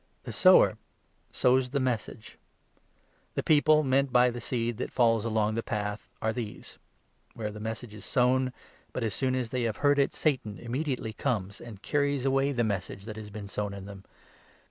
The sower sows the Message. The people meant 14, i by the seed that falls along the path are these — where the Message is sown, but, as soon as they have heard it, Satan immediately comes and carries away the Message that has been sown in them.